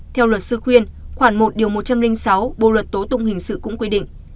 theo luật sư khuyên khoảng một một trăm linh sáu bộ luật tố tụng hình sự cũng quy định